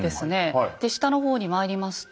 下の方にまいりますと